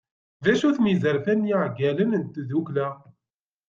D acu-ten yizerfan n yiɛeggalen n tddukkla?